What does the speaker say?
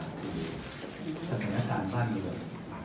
คือสถานการณ์บ้านเงิน